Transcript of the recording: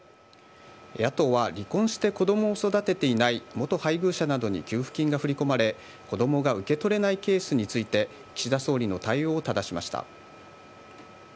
野党は離婚して子どもを育てていない元配偶者などに給付金が振り込まれ、子どもが受け取れないケースについて、岸田総理の対応をただしました。